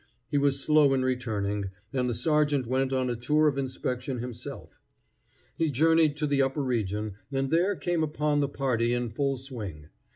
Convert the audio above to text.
He was slow in returning, and the sergeant went on a tour of inspection himself. He journeyed to the upper region, and there came upon the party in full swing.